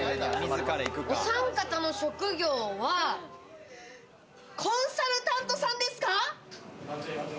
おさん方の職業は、コンサルタントさんですか？